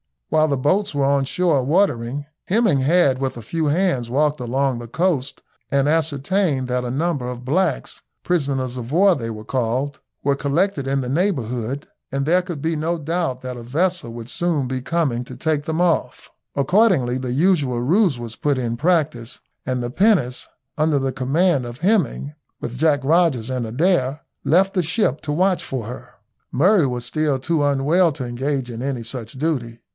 While the boats were on shore watering, Hemming had with a few hands walked along the coast and ascertained that a number of blacks, prisoners of war they were called, were collected in the neighbourhood, and there could be no doubt that a vessel would soon be coming to take them off. Accordingly the usual ruse was put in practice, and the pinnace, under the command of Hemming, with Jack Rogers and Adair, left the ship to watch for her. Murray was still too unwell to engage in any such duty.